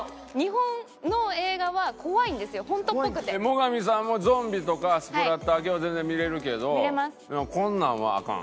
最上さんもゾンビとかスプラッター系は全然見れるけどこんなんはアカン？